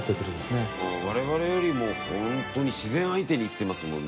我々よりも本当に自然相手に生きてますもんね。